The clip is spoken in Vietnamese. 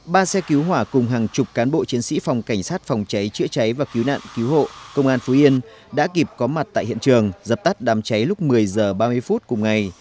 ba xe cứu hỏa cùng hàng chục cán bộ chiến sĩ phòng cảnh sát phòng cháy chữa cháy và cứu nạn cứu hộ công an phú yên đã kịp có mặt tại hiện trường dập tắt đám cháy lúc một mươi h ba mươi phút cùng ngày